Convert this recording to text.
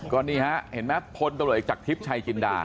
ก่อนนี้เห็นไหมพลตลอดอีกจักรทิพย์ชายจินดา